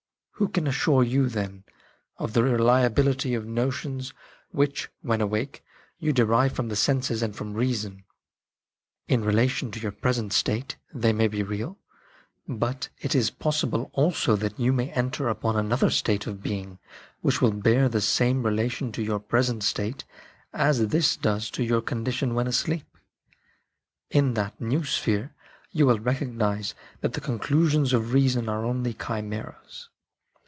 Who can assure you, then, of the reliability of notions which, when awake, you derive from the senses and from reason ? In relation to your present state they may be real ; but it is possible also that you may enter upon another state of being which will bear the same relation to your present state as this does to your condition when asleep. In that new sphere you will recognise that the conclusions of reason are only chimeras."